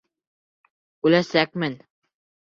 Үләсәкмен.